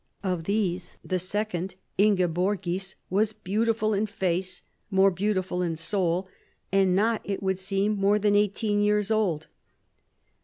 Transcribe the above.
Of these the second, Ingeborgis, was '• beautiful in face, more beautiful in soul," and not, it would seem, more than eighteen years old.